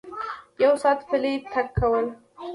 یو ساعت پلی تګ کول